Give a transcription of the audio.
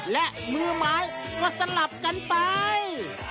และมือไม้ก็สลับกันไป